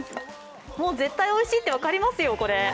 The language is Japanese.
絶対においしいって分かりますよ、これ。